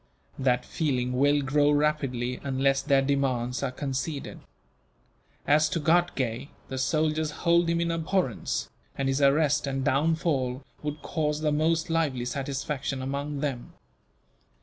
That feeling will grow rapidly, unless their demands are conceded. As to Ghatgay, the soldiers hold him in abhorrence, and his arrest and downfall would cause the most lively satisfaction among them.